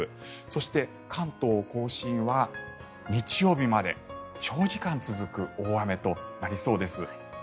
そして、関東・甲信は日曜日まで長時間続く大雨となりそうです。